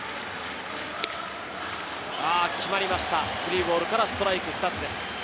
決まりました、３ボールからストライク２つです。